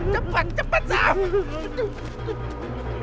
cepat cepat sang